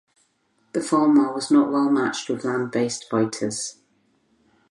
The Fulmar was not well matched with land-based fighters.